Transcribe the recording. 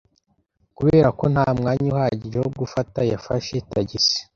Kubera ko nta mwanya uhagije wo gufata, yafashe tagisi.